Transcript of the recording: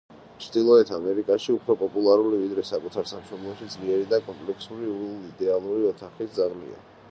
ჩრდილოეთ ამერიკაში უფრო პოპულარული, ვიდრე საკუთარ სამშობლოში, ძლიერი და კომპაქტური უელში იდეალური ოთახის ძაღლია.